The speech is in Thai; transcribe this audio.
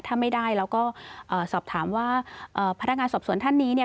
ถ้าไม่ได้เราก็เอ่อสอบถามว่าพนักงานสอบสวนท่านนี้เนี่ย